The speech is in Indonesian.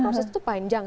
proses itu panjang